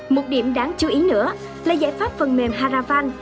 một điểm đáng chú ý nữa là giải pháp phần mềm haravan